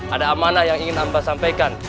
ada amanah yang ingin anda sampaikan